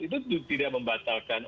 itu tidak membatalkan